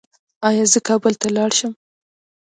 ایا زه کابل ته لاړ شم؟